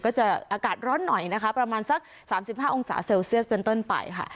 ก็จะอากาศร้อนหน่อยนะคะประมาณสัก๓๕องศาเซลเซียสเป็นต้นไปค่ะ